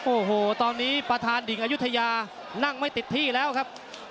โอ้โหตอนนี้ประธานดิ่งอายุทยานั่งไม่ติดที่แล้วครับ